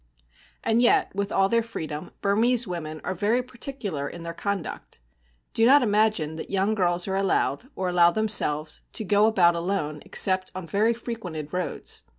And yet, with all their freedom, Burmese women are very particular in their conduct. Do not imagine that young girls are allowed, or allow themselves, to go about alone except on very frequented roads.